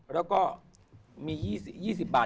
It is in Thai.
แล้วก็มี๒๐บาท